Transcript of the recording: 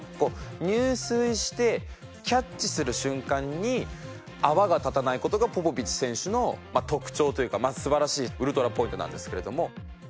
入水してキャッチする瞬間に泡が立たない事がポポビッチ選手の特徴というか素晴らしいウルトラポイントなんですけれども。